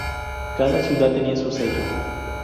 Cada ciudad tenía su sello.